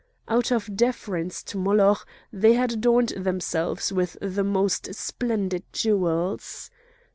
Out of deference to Moloch they had adorned themselves with the most splendid jewels.